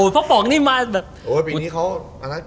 พบบ่องนี่มาแบบ